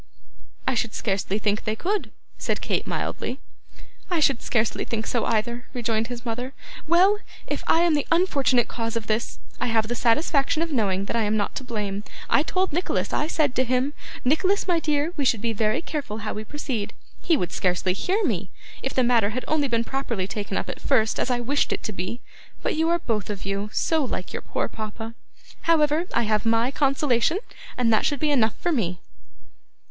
'I should scarcely think they could,' said Kate mildly. 'I should scarcely think so, either,' rejoined her mother. 'Well! if I am the unfortunate cause of this, I have the satisfaction of knowing that I am not to blame. I told Nicholas, I said to him, "Nicholas, my dear, we should be very careful how we proceed." He would scarcely hear me. If the matter had only been properly taken up at first, as I wished it to be! But you are both of you so like your poor papa. However, I have MY consolation, and that should be enough for me!